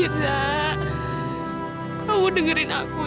rahim aku diangkat zak